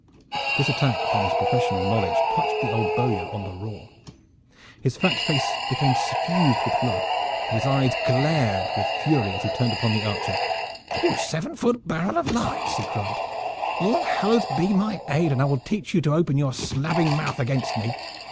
This attack upon his professional knowledge touched the old bowyer on the raw. His fat face became suffused with blood and his eyes glared with fury as he turned upon the archer. "You seven foot barrel of lies!" he cried. "All hallows be my aid, and I will teach you to open your slabbing mouth against me!